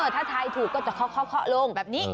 ถ้าทายถูกก็จะเคาะลงแบบนี้